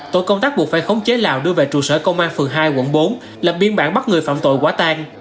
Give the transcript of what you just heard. tổ công tác buộc phải khống chế lào đưa về trụ sở công an phường hai quận bốn lập biên bản bắt người phạm tội quá tan